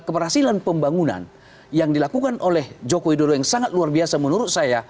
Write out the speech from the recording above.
keberhasilan pembangunan yang dilakukan oleh jokowi dodo yang sangat luar biasa menurut saya